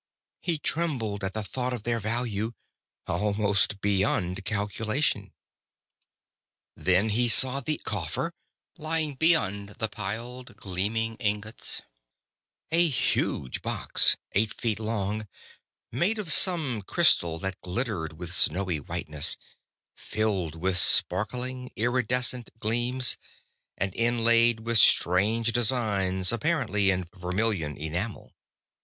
He trembled at thought of their value. Almost beyond calculation. Then he saw the coffer, lying beyond the piled, gleaming ingots a huge box, eight feet long; made of some crystal that glittered with snowy whiteness, filled with sparkling, iridescent gleams, and inlaid with strange designs, apparently in vermilion enamel.